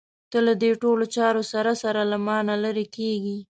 ته له دې ټولو چارو سره سره له مانه لرې کېږې.